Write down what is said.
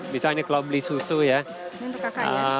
misalnya kalau beli susu ya